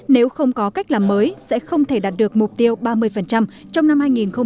nếu không có cách làm mới sẽ không thể đạt được mục tiêu ba mươi trong năm hai nghìn hai mươi